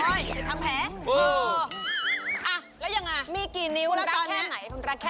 โอ๊ยแล้วยังไงมีกี่นิ้วรักแค่ไหน